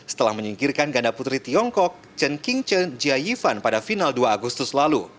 setelah menyingkirkan ganda putri tiongkok chen king chen jia yifan pada final dua agustus